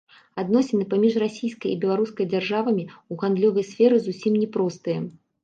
Адносіны паміж расійскай і беларускай дзяржавамі ў гандлёвай сферы зусім не простыя.